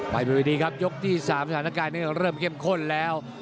ไปบนวิธีครับยกที่๓สถานการณ์นี้เริ่มเข้มข้นแล้ว